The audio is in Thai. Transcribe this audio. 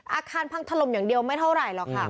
อาคารพังถล่มอย่างเดียวไม่เท่าไหร่หรอกค่ะ